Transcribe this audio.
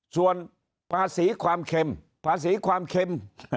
ส่วนภาษีความเข็ม